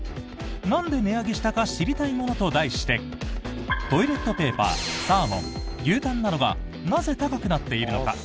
なんで値上げしたか知りたいものと題してトイレットペーパーサーモン、牛タンなどがなぜ高くなっているのか？